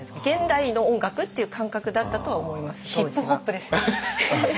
現代の音楽っていう感覚だったとは思います。